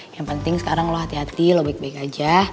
yang penting sekarang lo hati hati lo baik baik aja